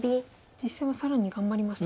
実戦は更に頑張りました。